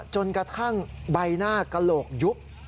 จนกระทั่งใบหน้ากระโหลกยุบ